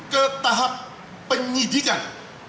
ke tahap penyidikan